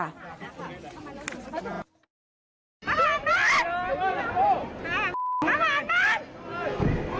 ระวังนะ